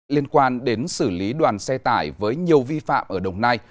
liên quan đến xử lý đoàn xe tải với nhiều vi phạm ở đồng nai